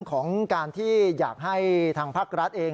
ของการที่อยากให้ทางภาครัฐเอง